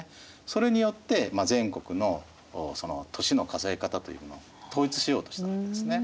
それによって全国の年の数え方というものを統一しようとしたわけですね。